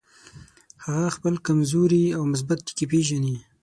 هغه خپل کمزوري او مثبت ټکي پېژني.